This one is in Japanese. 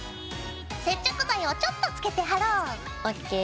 接着剤をちょっと付けて貼ろう。ＯＫ。